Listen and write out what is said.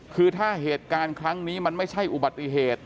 คือถ้าเหตุการณ์ครั้งนี้มันไม่ใช่อุบัติเหตุ